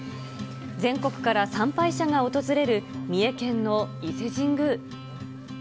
全国から参拝者が訪れる、三重県の伊勢神宮。